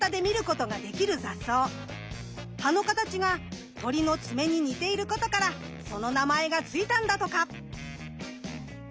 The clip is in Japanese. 葉の形が鳥の爪に似ていることからその名前がついたんだとか。